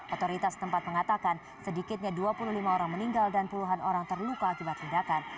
otoritas tempat mengatakan sedikitnya dua puluh lima orang meninggal dan puluhan orang terluka akibat ledakan